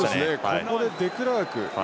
ここでデクラーク。